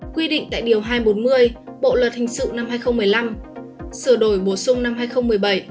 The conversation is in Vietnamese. quy định tại điều hai trăm bốn mươi bộ luật hình sự năm hai nghìn một mươi năm sửa đổi bổ sung năm hai nghìn một mươi bảy